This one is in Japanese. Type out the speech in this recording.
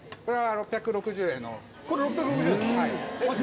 ６６０円？